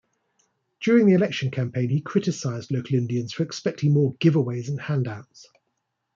During the election campaign he criticized local Indians for expecting more "giveaways and handouts".